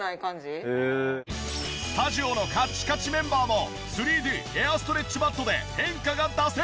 スタジオのカチカチメンバーも３Ｄエアストレッチマットで変化が出せるのか？